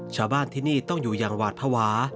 ชาวบ้านที่นี่ต้องอยู่อย่างหวาดภาวะ